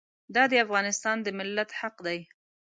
دا د افغانستان د ملت حق دی.